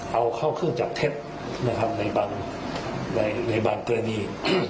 เอาเข้าขึ้นจากเท็บในบางกรณี